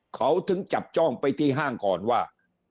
เขาถึงจับจ้องไปที่ห้างก่อนว่า